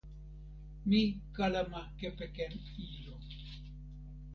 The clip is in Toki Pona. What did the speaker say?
mi kalama kepeken ilo.